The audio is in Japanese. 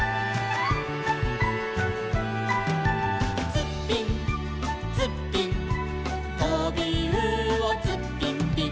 「ツッピンツッピン」「とびうおツッピンピン」